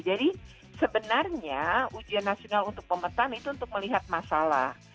jadi sebenarnya ujian nasional untuk pemetaan itu untuk melihat masalah